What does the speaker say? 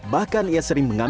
bahkan ia sering mengalami